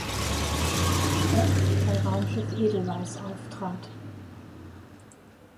Speck“ bei „Raumschiff Edelweiß“ auftrat.